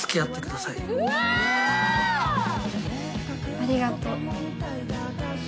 ありがとう。